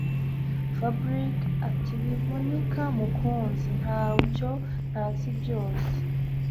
Fabric atiwivunika mukunzi ntacyo ntazi byose